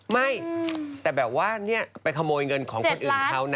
ไม่แต่แบบว่าไปขโมยเงินของคนอื่นเขานะ